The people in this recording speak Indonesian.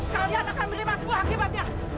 kalian akan menerima sebuah akibatnya